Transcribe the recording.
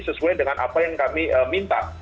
sesuai dengan apa yang kami minta